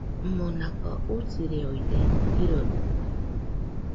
Monaka usireode jirodɨkue.